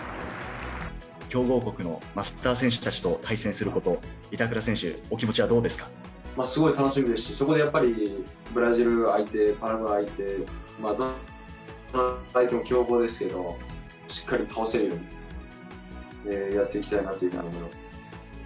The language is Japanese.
強豪国のスター選手たちと対戦すること、板倉選手、お気持ちはどすごい楽しみですし、そこでやっぱりブラジル相手、パラグアイ相手、どの相手も強豪ですけど、しっかり倒せるようにやっていきたいなというふうに思いますね。